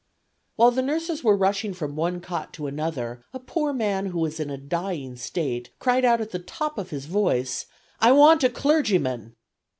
While the nurses were rushing from one cot to another a poor man who was in a dying state cried out at the top of his voice, "I want a clergyman."